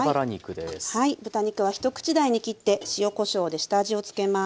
はい豚肉は一口大に切って塩こしょうで下味を付けます。